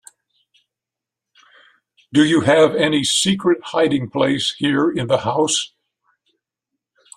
Do you have any secret hiding place here in the house?